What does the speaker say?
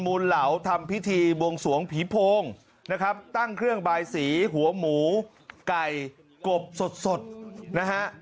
นเหลาทำพิธีบวงสวงผีโพงนะครับตั้งเครื่องบายสีหัวหมูไก่กบสดสดนะฮะ